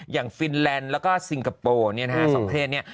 อย่างฟินแลนด์แล้วก็สิงคโปร์สองเพศ